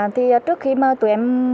trước khi mà tụi em